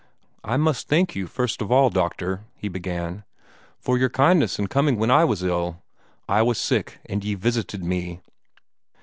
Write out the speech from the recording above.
"I must thank you, first of all, doctor," he began, "for your kindness in coming when I was ill. 'I was sick, and ye visited me.'"